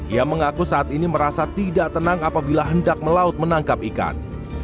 ia mengaku saat ini merasa tidak tenang apabila hendak melaut menangkap ikan